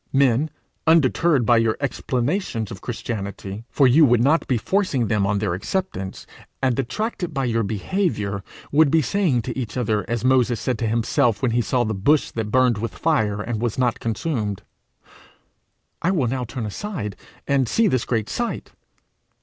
Men, undeterred by your explanations of Christianity, for you would not be forcing them on their acceptance, and attracted by your behaviour, would be saying to each other, as Moses said to himself when he saw the bush that burned with fire and was not consumed, 'I will now turn aside and see this great sight!'